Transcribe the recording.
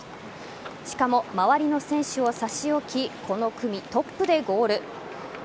しかも、周りの選手を差し置きこの組トップでゴール。